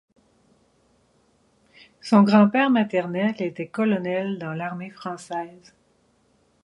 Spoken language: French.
Son grand-père maternel était colonel dans l'armée française.